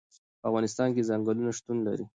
په افغانستان کې چنګلونه شتون لري.